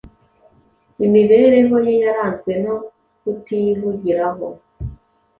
Imibereho ye yaranzwe no kutihugiraho.